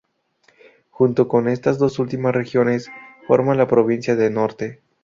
Junto con estas dos últimas regiones forma la provincia de "Norte".